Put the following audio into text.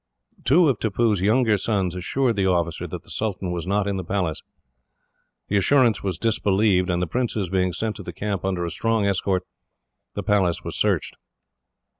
Two of Tippoo's younger sons assured the officer that the Sultan was not in the Palace. The assurance was disbelieved, and, the princes being sent to the camp under a strong escort, the Palace was searched.